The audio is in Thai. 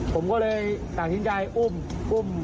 ผมก็เลยต่างทิ้งใจอุ้ม